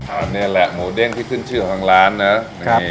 อันนี้แหละหมูเด้งที่ขึ้นชื่อของทางร้านนะนี่